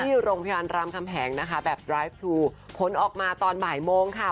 ที่โรงพยาบาลรามคำแหงนะคะแบบรายทูลผลออกมาตอนบ่ายโมงค่ะ